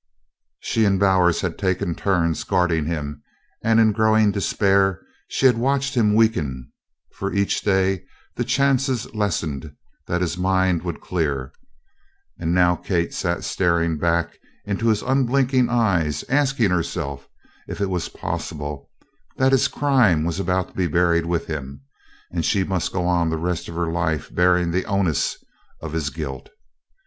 She and Bowers had taken turns guarding him, and in growing despair she had watched him weaken, for each day the chances lessened that his mind would clear; and now Kate sat staring back into his unblinking eyes asking herself if it was possible that his crime was to be buried with him and she must go on the rest of her life bearing the onus of his guilt?